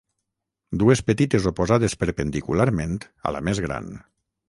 Dues petites oposades perpendicularment a la més gran.